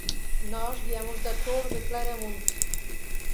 Nós viemos da Torre de Claramunt.